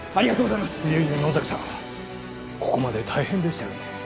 いえいえ、野崎さん、ここまで大変でしたよね。